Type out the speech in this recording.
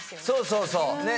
そうそうそう。